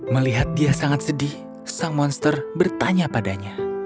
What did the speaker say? melihat dia sangat sedih sang monster bertanya padanya